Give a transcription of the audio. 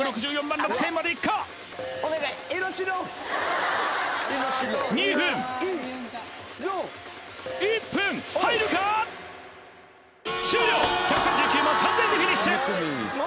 １３９万３０００円でフィニッシュ！